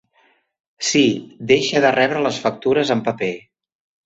Sí, deixar de rebre les factures en paper.